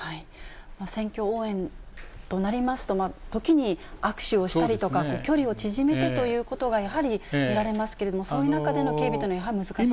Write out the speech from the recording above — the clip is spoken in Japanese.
選挙応援となりますと、時に握手をしたりとか、距離を縮めてということが、やはり見られますけれども、そういう中での警備というのはやはり難しい。